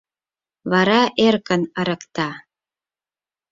Вара эркын ырыкта...